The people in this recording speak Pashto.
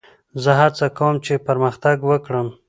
زه هڅه کوم، چي پرمختګ وکړم.